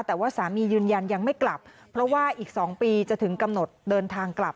แต่ว่าสามียืนยันยังไม่กลับเพราะว่าอีก๒ปีจะถึงกำหนดเดินทางกลับ